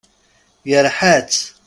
Yerḥa-tt.